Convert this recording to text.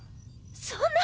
そんな！